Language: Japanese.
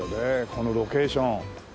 このロケーション。